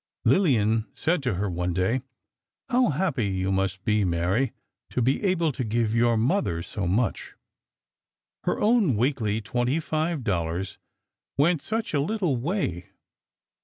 Lillian said to her, one day: "How happy you must be, Mary, to be able to give your mother so much." Her own weekly twenty five dollars went such a little way.